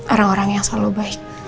orang orang yang selalu baik